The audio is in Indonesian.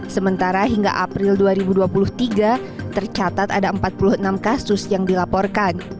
sementara hingga april dua ribu dua puluh tiga tercatat ada empat puluh enam kasus yang dilaporkan